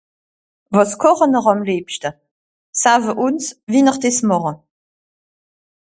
wàs kòchen'r àm lebschte sawe ùns wie'nr des màche